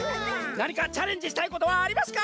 なにかチャレンジしたいことはありますか？